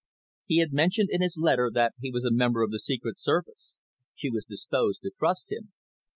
He had mentioned in his letter that he was a member of the Secret Service. She was disposed to trust him.